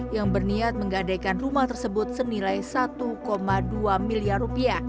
yang berniat menggadaikan rumah tersebut senilai rp satu dua miliar